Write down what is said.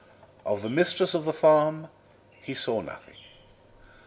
Of the mistress of the farm he saw nothing.